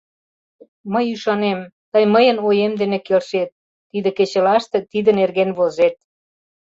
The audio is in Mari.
Мый ӱшанем, тый мыйын оем дене келшет, тиде кечылаште тиде нерген возет...